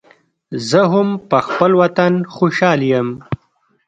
زه هم پخپل وطن خوشحال یم